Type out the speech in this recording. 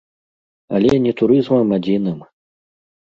Але не турызмам адзіным.